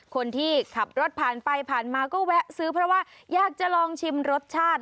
คนที่ขับรถผ่านไปผ่านมาก็แวะซื้อเพราะว่าอยากจะลองชิมรสชาติ